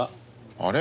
あれ？